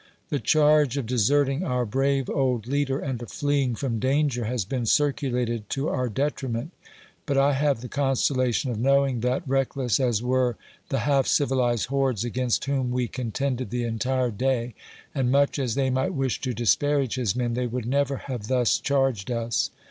The charge of deserting our brave old leader and of fleeing from danger has been circulated to our detriment, but I have the consolation of knowing that, reckless as were the half civilized hordes against whom we contended the entire day, and much as they might wish to disparage his men, they would never have thus charged us.